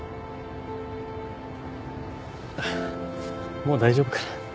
もう大丈夫かな。